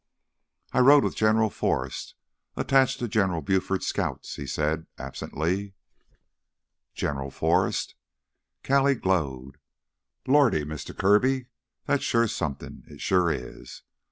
"I rode with General Forrest, attached to General Buford's Scouts," he said absently. "General Forrest!" Callie glowed. "Lordy, Mister Kirby, that's sure somethin', it sure is!